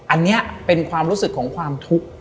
อันนี้เป็นความรู้สึกของความทุกข์